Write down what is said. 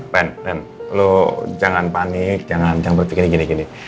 ren ren lu jangan panik jangan berpikir gini gini